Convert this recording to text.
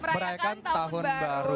merayakan tahun baru